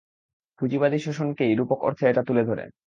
পুঁজিবাদী শোষণকেই রুপক অর্থে এটা তুলে ধরে!